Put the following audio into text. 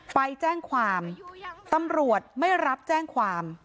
ไปแจ้งความตำรวจไม่รับแจ้งความ